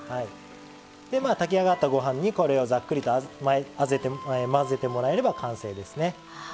炊き上がったご飯にこれをざっくりと混ぜてもらえれば完成ですね。